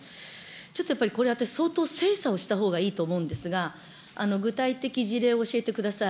ちょっとやっぱりこれ、私は相当精査をしたほうがいいと思うんですが、具体的事例を教えてください。